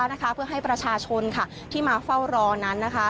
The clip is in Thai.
นะคะเพื่อให้ประชาชนค่ะที่มาเฝ้ารอนั้นนะคะ